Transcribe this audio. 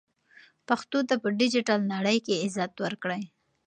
پښتو ته په ډیجیټل نړۍ کې عزت ورکړئ.